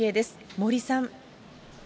森さん。